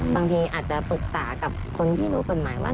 บางทีอาจจะปรึกษากับคนที่รู้กฎหมายว่า